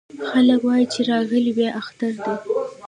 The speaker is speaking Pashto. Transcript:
خلک وايې چې راغلی بيا اختر دی